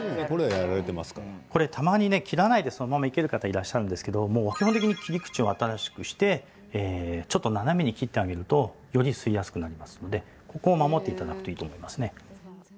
たまに切らないでそのまま生ける方いらっしゃるんですけど基本的に切り口を新しくしてちょっと斜めに切ってあげるとより吸いやすくなりますのでここを守っていただくといいと思いますね。